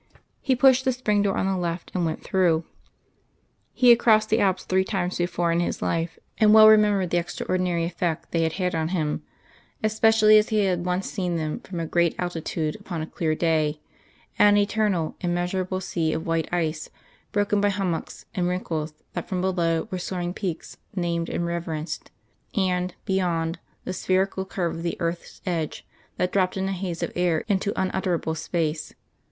He pushed the spring door on the left and went through. He had crossed the Alps three times before in his life, and well remembered the extraordinary effect they had had on him, especially as he had once seen them from a great altitude upon a clear day an eternal, immeasurable sea of white ice, broken by hummocks and wrinkles that from below were soaring peaks named and reverenced; and, beyond, the spherical curve of the earth's edge that dropped in a haze of air into unutterable space.